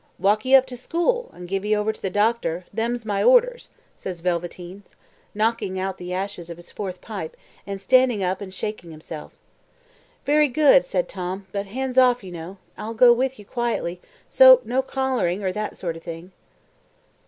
"Walk 'ee up to School, and give 'ee over to the Doctor; them's my orders," says Velveteens, knocking the ashes out of his fourth pipe, and standing up and shaking himself. "Very good," said Tom; "but hands off, you know. I'll go with you quietly, so no collaring or that sort of thing."